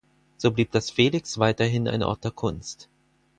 So blieb das Felix weiterhin ein Ort der Kunst.